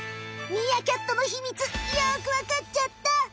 ミーアキャットのヒミツよくわかっちゃった。